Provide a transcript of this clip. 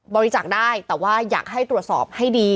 บริจาคได้แต่ว่าอยากให้ตรวจสอบให้ดี